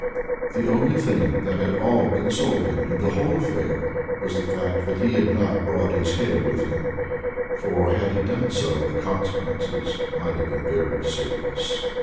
The only thing that at all consoled him in the whole affair was the fact that he had not brought his head with him, for, had he done so, the consequences might have been very serious.